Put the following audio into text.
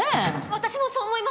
私もそう思います。